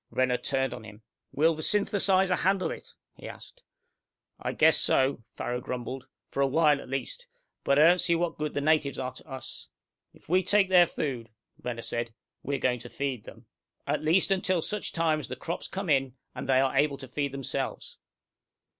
Renner turned on him. "Will the synthetizer handle it?" he asked. "I guess so," Farrow grumbled. "For a while, at least. But I don't see what good the natives are to us." "If we take their food," Renner said, "we're going to feed them. At least until such time as the crops come in, and they are able to feed themselves!"